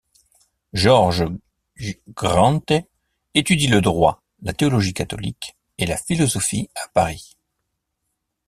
Georges Grente étudie le droit, la théologie catholique et la philosophie à Paris.